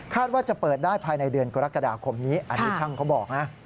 ว่าจะเปิดได้ภายในเดือนกรกฎาคมนี้อันนี้ช่างเขาบอกนะ